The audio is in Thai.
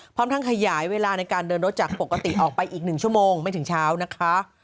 พร้อมทั้งขยายเวลาในการเดินรถจากปกติออกไปอีก๑ชั่วโมงไม่ถึงเช้านะคะ